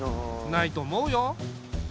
ないと思うよ。